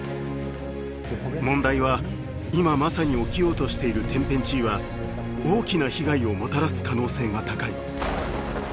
問題は今まさに起きようとしている天変地異は大きな被害をもたらす可能性が高い。